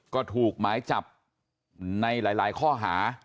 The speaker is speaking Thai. ก็ถูกหมายจับในหลายข้อหา